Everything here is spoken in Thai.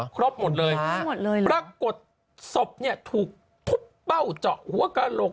ครบหมดเลยปรากฏศพถูกเบ้าเจาะหัวกระโหลก